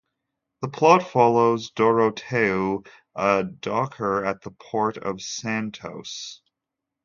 The plot follows Doroteu, a docker at the port of Santos.